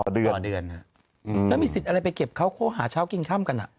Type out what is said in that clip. แล้วมีสิทธิ์อะไรไปเก็บเขาเขาหาเช้ากินข้ามกันอ่ะ